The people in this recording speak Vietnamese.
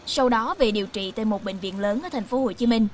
sau đó về điều trị tại một bệnh viện lớn ở tp hcm